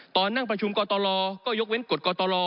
ตอนนั่งประชุมกตลก็ยกเว้นกฎกตล